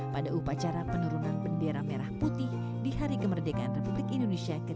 pada upacara penurunan bendera merah putih di hari kemerdekaan republik indonesia ke dua puluh